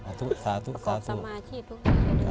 สาธุสาธุสาธุประกอบสมาธิทุกข์